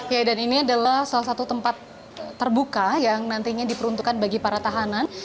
ya dan ini adalah salah satu tempat terbuka yang nantinya diperuntukkan bagi para tahanan